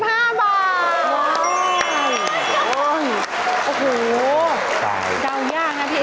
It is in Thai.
หลักสวย